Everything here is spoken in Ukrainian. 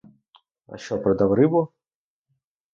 А що, продав рибу?